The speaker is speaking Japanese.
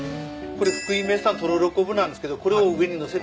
これ福井名産とろろ昆布なんですけどこれを上に載せて。